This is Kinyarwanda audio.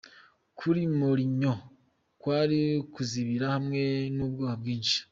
Kuri Mourinho, kwari kuzibira hamwe n'ubwoba bwinshi.